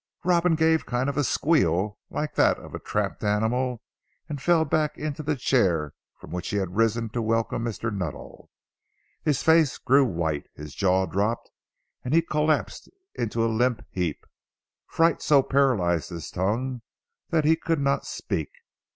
Robin gave a kind of squeal like that of a trapped animal, and fell back into the chair from which he had risen to welcome Mr. Nuttall. His face grew white, his jaw dropped, and he collapsed into a limp heap. Fright so paralysed his tongue that he could not speak.